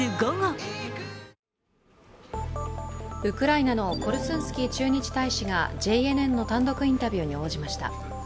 ウクライナのコルスンスキー駐日大使がＪＮＮの単独インタビューに応じました。